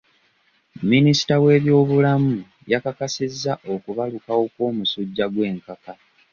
Minisita w'ebyobulamu yakakasizza okubalukawo kw'omusujja gw'enkaka.